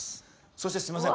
そしてすいません